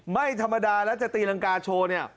ไม่ธรรมดาแล้วจะตีรังกาโชว์เนี่ย